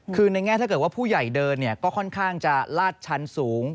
คือในแง่ถ้าเกิดว่าผู้ใหญ่เดินก็ค่อนข้างจะลาดชันสูง